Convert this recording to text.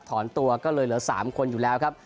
ถอนตัวก็เลยเหลือ๓คนอยู่แล้วครับ